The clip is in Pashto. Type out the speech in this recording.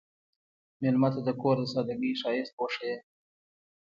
مېلمه ته د کور د سادګۍ ښایست وښیه.